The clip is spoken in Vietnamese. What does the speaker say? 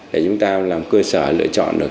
để chúng ta làm cơ sở lựa chọn được